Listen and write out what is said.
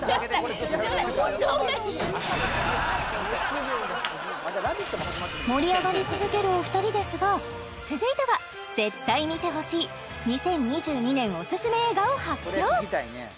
すいません盛り上がり続けるお二人ですが続いては絶対見てほしい２０２２年おすすめ映画を発表